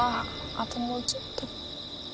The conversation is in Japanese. あともうちょっと。